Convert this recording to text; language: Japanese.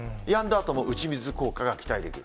あとも打ち水効果が期待できる。